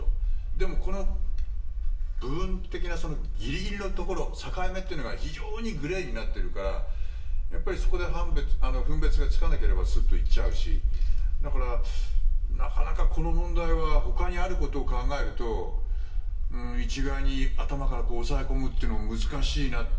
でもこの部分的なぎりぎりのところ境目というのが非常にグレーになっているからやっぱりそこで分別がつかなければスッといっちゃうしだから、なかなかこの問題はほかにあることを考えると一概に頭から抑え込むのも難しいなって。